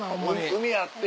海あって。